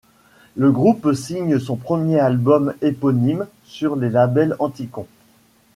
Le groupe signe son premier album éponyme sur les labels anticon.